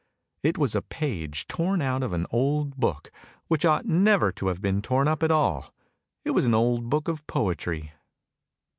It was a page torn out of an old book, which ought never to have been torn up at all; it was an old book of poetry.